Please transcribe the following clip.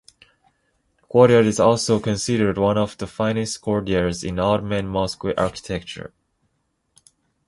The courtyard is also considered one of the finest courtyards in Ottoman mosque architecture.